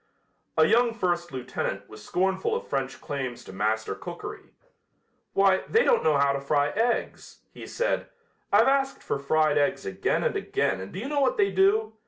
A young first lieutenant was scornful of French claims to master cookery. "Why, they don't know how to fry eggs," he said. "I've asked for fried eggs again and again and do you know what they do?